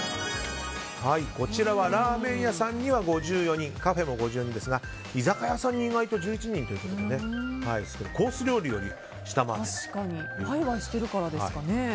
ラーメン屋さんには５４人カフェも５４人ですが居酒屋さんに意外と１１人ということでワイワイしてるからですかね。